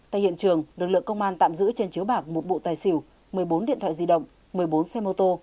tại hiện trường lực lượng công an tạm giữ trên chiếu bạc một bộ tài xỉu một mươi bốn điện thoại di động một mươi bốn xe mô tô